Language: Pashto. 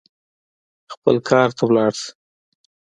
خپل کار ته ولاړ سه.